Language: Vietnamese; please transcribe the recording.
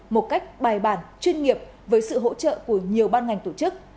một cách bài bản chuyên nghiệp với sự hỗ trợ của nhiều ban ngành tổ chức